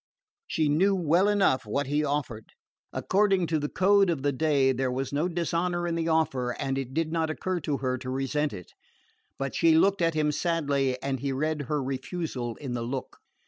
She knew well enough what he offered. According to the code of the day there was no dishonour in the offer and it did not occur to her to resent it. But she looked at him sadly and he read her refusal in the look.